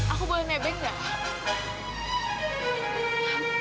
aku boleh nebeng gak